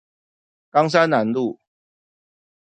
岡山南路